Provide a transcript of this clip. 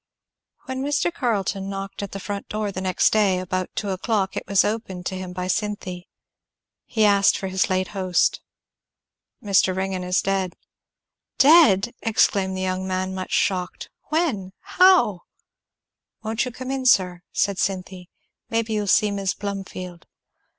When Mr. Carleton knocked at the front door the next day about two o'clock it was opened to him by Cynthy. He asked for his late host. "Mr. Ringgan is dead." "Dead!" exclaimed the young man much shocked; "when? how?" "Won't you come in, sir?" said Cynthy; "maybe you'll see Mis' Plumfield."